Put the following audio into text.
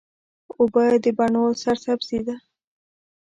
اوبه د بڼو سرسبزي ده.